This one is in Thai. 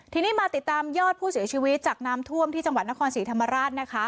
ทีนี้มาติดตามยอดผู้เสียชีวิตจากน้ำท่วมที่จังหวัดนครศรีธรรมราชนะคะ